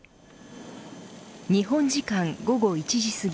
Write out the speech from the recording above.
日本時間午後１時すぎ